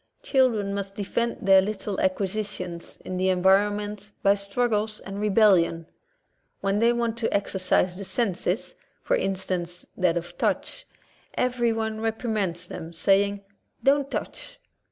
Children must defend their little acquisi tions in the environment by struggles and re bellion. When they want to exercise the senses, for instance that of touch, everyone reprimands them, saying, "Don't touch!''